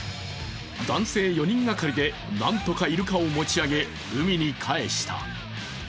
男性４人がかりでなんとかイルカを持ち上げ海に返した。